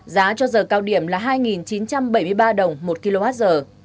giá cho giờ cao điểm là hai chín trăm bảy mươi ba đồng một kwh